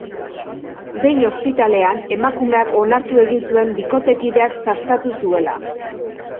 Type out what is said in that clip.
Behin ospitalean, emakumeak onartu egin zuen bikotekideak sastatu zuela.